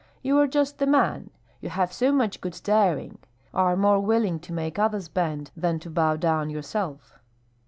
You are just the man; you have so much good daring, are more willing to make others bend than to bow down yourself."